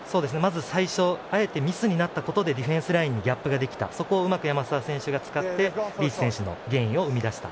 最初、あえてミスになったことでディフェンスラインにギャップができたことで山沢選手がそこを使ってリーチ選手のゲインを生み出した。